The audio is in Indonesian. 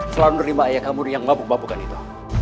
selalu nerima ayah kamuri yang mabuk mabukan itu